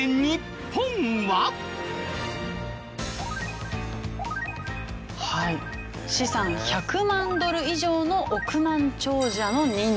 はい資産１００万ドル以上の億万長者の人数。